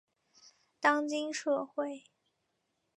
当今社会